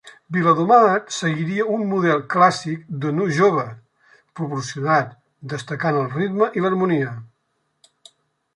Viladomat seguiria un model clàssic de nu jove, proporcionat, destacant el ritme i l'harmonia.